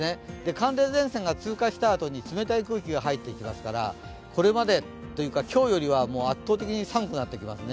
寒冷前線が通過したあとに冷たい空気が入ってきますから今日よりは圧倒的に寒くなってきますね。